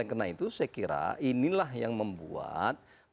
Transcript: tidak mengakui artinya kalau dia misalnya mengakui